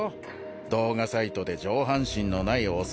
動画サイトで上半身のないおっ